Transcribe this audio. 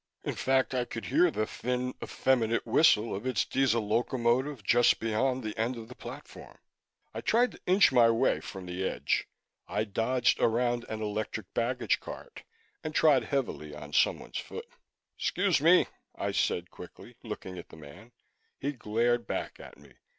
In fact, I could hear the thin, effeminate whistle of its Diesel locomotive just beyond the end of the platform. I tried to inch my way from the edge. I dodged around an electric baggage cart, and trod heavily on someone's foot. "Excuse me," I said quickly, looking at the man. He glared back at me.